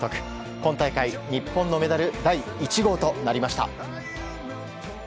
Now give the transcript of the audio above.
今大会、日本のメダル第１号となりました。